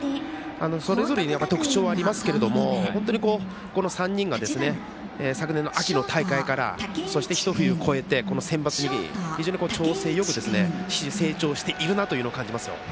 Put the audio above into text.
それぞれに特徴はありますけれども本当に、この３人が昨年の秋の大会からそして、一冬越えてこのセンバツに非常に調整よく成長しているなというのを感じます。